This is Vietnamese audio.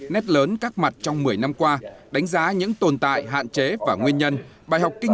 nét lớn các mặt trong một mươi năm qua đánh giá những tồn tại hạn chế và nguyên nhân bài học kinh